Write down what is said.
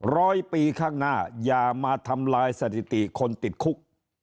ร้อยปีข้างหน้าอย่ามาทำลายสถิติคนติดคุก